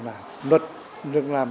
luật được làm rất là đơn giản